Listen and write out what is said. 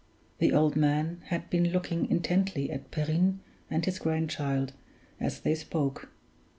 The old man had been looking intently at Perrine and his grandchild as they spoke.